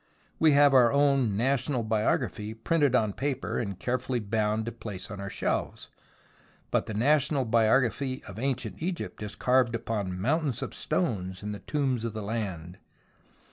We have our own National Biography printed on paper, and carefully bound to place on our shelves, but the National Biography of Ancient Egypt is carved upon mountains of stones in the tombs of the land.